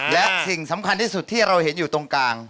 และสิ่งสำคัญที่สุดที่เราเห็นอยู่ตรงกลาง